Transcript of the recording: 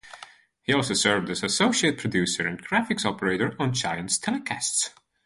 He also served as associate producer and graphics operator on Giants telecasts.